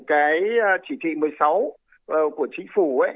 cái chỉ thị một mươi sáu của chính phủ